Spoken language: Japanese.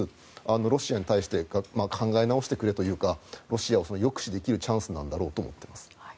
ロシアに対して考え直してくれというかロシアを抑止できるチャンスなんだろうと思っています。